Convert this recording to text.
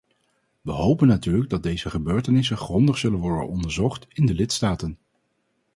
We hopen natuurlijk dat deze gebeurtenissen grondig zullen worden onderzocht in de lidstaten.